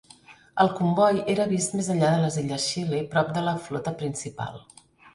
El comboi era vist més enllà de les Illes Scilly prop de la flota principal.